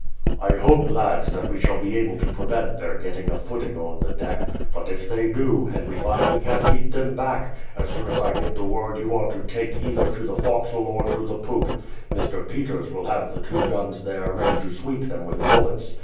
"I hope, lads, that we shall be able to prevent their getting a footing on the deck; but if they do, and we find we can't beat them back, as soon as I give the word you are to take either to the forecastle or to the poop. Mr. Peters will have the two guns there ready to sweep them with bullets.